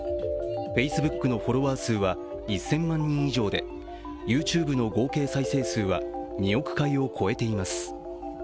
Ｆａｃｅｂｏｏｋのフォロワー数は１０００万人以上でＹｏｕＴｕｂｅの合計再生数は２億回を超えています。